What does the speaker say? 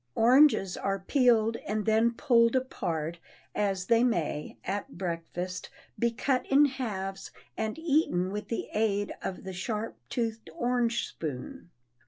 Oranges are peeled and then pulled apart or they may—at breakfast—be cut in halves and eaten with the aid of the sharp toothed orange spoon.